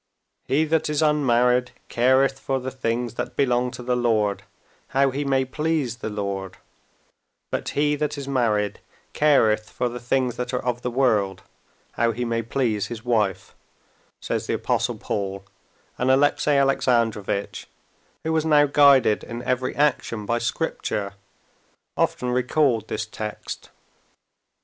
"He that is unmarried careth for the things that belong to the Lord, how he may please the Lord: but he that is married careth for the things that are of the world, how he may please his wife," says the Apostle Paul, and Alexey Alexandrovitch, who was now guided in every action by Scripture, often recalled this text.